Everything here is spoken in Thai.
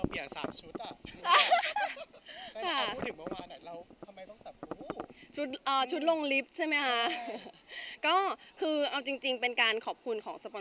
เอ่อชุดอ่าลงใช่ไหมฮะก็คือเอาจริงจริงเป็นการขอบคุณของ